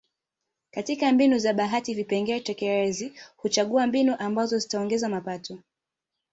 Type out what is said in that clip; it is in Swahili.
Katika mbinu za bahati vipengele tekelezi huchagua mbinu ambazo zitaongeza mapato